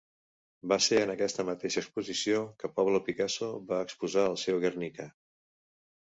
Va ser en aquesta mateixa exposició que Pablo Picasso va exposar el seu Guernica.